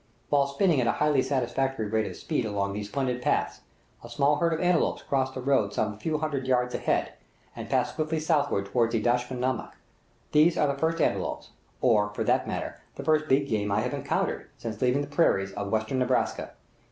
While spinning at a highly satisfactory rate of speed along these splendid paths, a small herd of antelopes cross the road some few hundred yards ahead, and pass swiftly southward toward the dasht i namek. These are the first antelopes, or, for that matter, the first big game I have encountered since leaving the prairies of Western Nebraska.